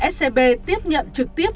scb tiếp nhận trực tiếp